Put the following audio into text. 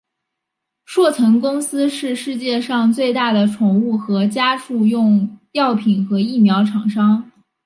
硕腾公司是世界上最大的宠物和家畜用药品和疫苗厂商。